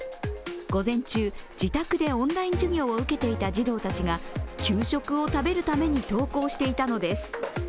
午前中、自宅でオンライン授業を受けていた児童たちが給食を食べるために登校していたのです。